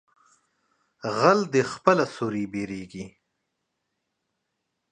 غل د خپله سوري بيرېږي.